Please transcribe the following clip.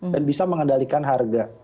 dan bisa mengendalikan harga